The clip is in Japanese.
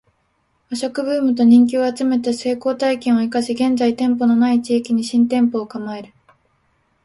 ⅰ 和食ブームと人気を集めた成功体験を活かし現在店舗の無い地域に新店舗を構える